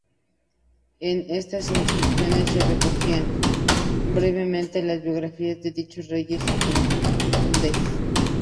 En estas inscripciones se recogían brevemente las biografías de dichos reyes y condes.